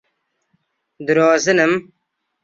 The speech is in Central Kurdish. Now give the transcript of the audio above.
درۆزنم.